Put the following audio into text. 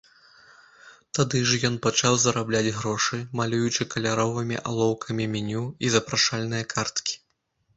Тады ж ён пачаў зарабляць грошы, малюючы каляровымі алоўкамі меню і запрашальныя карткі.